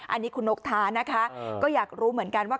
อันนี้คุณนกท้านะคะก็อยากรู้เหมือนกันว่า